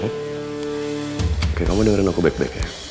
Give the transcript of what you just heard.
oke kamu dengerin aku baik baik ya